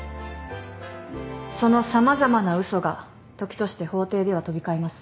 その様々な嘘が時として法廷では飛び交います。